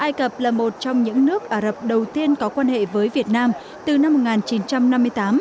ai cập là một trong những nước ả rập đầu tiên có quan hệ với việt nam từ năm một nghìn chín trăm năm mươi tám